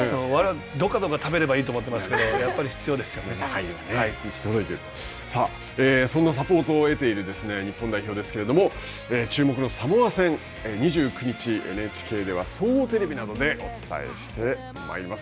どかどか食べればいいと思ってますけど、やっぱり必要でそんなサポートを得ている日本代表ですけれども、注目のサモア戦、２９日、ＮＨＫでは、総合テレビなどでお伝えしてまいります。